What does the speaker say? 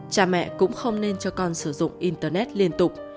cha mẹ cũng không nên cho con sử dụng internet liên tục